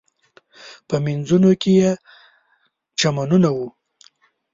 په مینځونو کې یې چمنونه و.